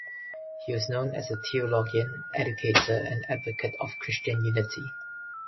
He was known as a theologian, educator, and advocate of Christian unity.